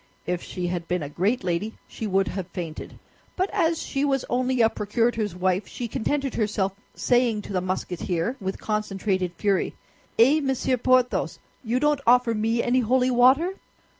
If she had been a great lady she would have fainted; but as she was only a procurator's wife, she contented herself saying to the Musketeer with concentrated fury, "Eh, Monsieur Porthos, you don't offer me any holy water?"